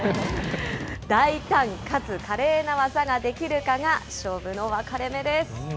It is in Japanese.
大胆かつ華麗な技ができるかが勝負の分かれ目です。